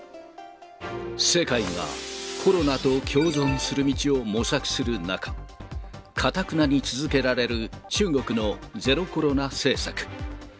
世界が、コロナと共存する道を模索する中、かたくなに続けられる中国のゼロコロナ政策。